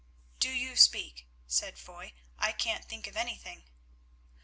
"Do you speak," said Foy, "I can't think of anything."